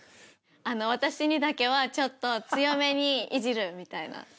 私にだけはちょっと強めにいじるみたいな。